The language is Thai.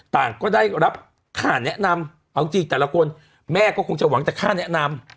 ต่างก็ได้รับค่าแนะนำเอาจริงแต่ละคนแม่ก็คงจะหวังจากค่าแนะนำ